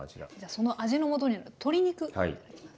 その味のもとになる鶏肉頂きます。